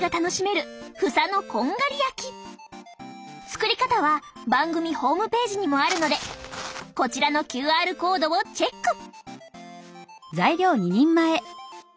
作り方は番組ホームページにもあるのでこちらのＱＲコードをチェック！